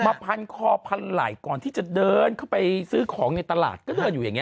พันคอพันไหล่ก่อนที่จะเดินเข้าไปซื้อของในตลาดก็เดินอยู่อย่างนี้